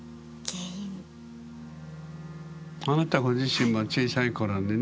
あなたご自身も小さい頃にね。